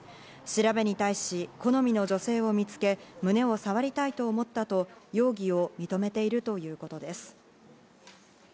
調べに対し、好みの女性を見つけ胸を触りたいと思ったと容疑を認めているということです。